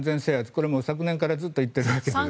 これは昨年から言っているわけですね。